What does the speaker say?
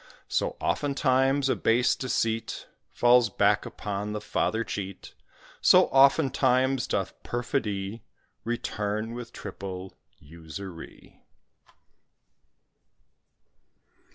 So oftentimes a base deceit Falls back upon the father cheat; So oftentimes doth perfidy Return with triple usury.